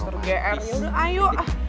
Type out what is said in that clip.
surgi airnya udah ayo